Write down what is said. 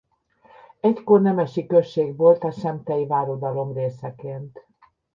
Egykor nemesi község volt a semptei váruradalom részeként.